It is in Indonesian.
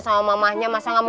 kamus jogging aja saya nggak tahu